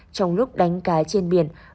trong lúc đánh cá trên biển